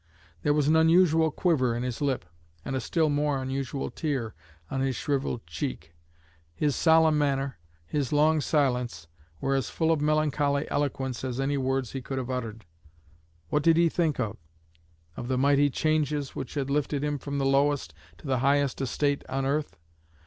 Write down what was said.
There was an unusual quiver in his lip, and a still more unusual tear on his shriveled cheek. His solemn manner, his long silence, were as full of melancholy eloquence as any words he could have uttered. What did he think of? Of the mighty changes which had lifted him from the lowest to the highest estate on earth?